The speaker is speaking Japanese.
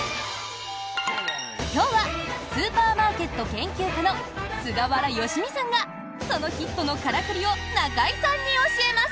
今日はスーパーマーケット研究家の菅原佳己さんがそのヒットのからくりを中居さんに教えます！